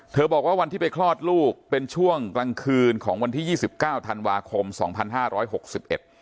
บอกว่าวันที่ไปคลอดลูกเป็นช่วงกลางคืนของวันที่ยี่สิบเก้าธันวาคมสองพันห้าร้อยหกสิบเอ็ด